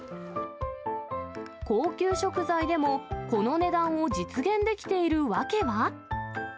高級食材でも、この値段を実現できている訳は。